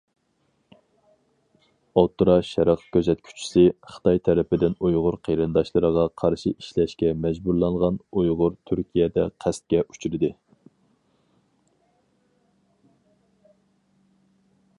ئوتتۇرا شەرق كۆزەتكۈچىسى: خىتاي تەرىپىدىن ئۇيغۇر قېرىنداشلىرىغا قارشى ئىشلەشكە مەجبۇرلانغان ئۇيغۇر تۈركىيەدە قەستكە ئۇچرىدى.